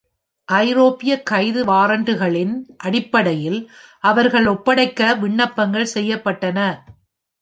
ஐரோப்பிய கைது வாரண்டுகளின் அடிப்படையில் அவர்கள் ஒப்படைக்க விண்ணப்பங்கள் செய்யப்பட்டன.